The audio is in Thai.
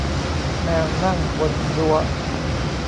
แมวนั่งบนรั้ว